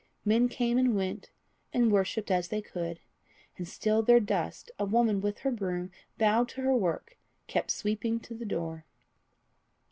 Men came and went, and worshipped as they could, And still their dust a woman with her broom, Bowed to her work, kept sweeping to the door.